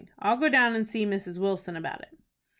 I'll go down and see Mrs. Wilson about it."